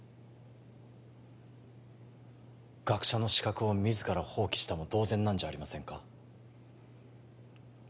学者の資格を自ら放棄したも同然なんじゃありませんか？